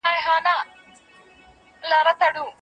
ټولو سياسي اعمالو ته په ساده ډول سياست ويل کېږي.